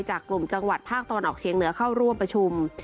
กลุ่มจังหวัดภาคตะวันออกเชียงเหนือเข้าร่วมประชุม